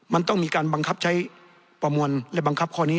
มันต้องมีการบังคับใช้ประมวลและบังคับข้อนี้